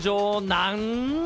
なん。